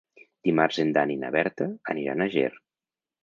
Dimarts en Dan i na Berta aniran a Ger.